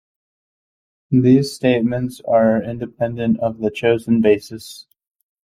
These statements are independent of the chosen basis.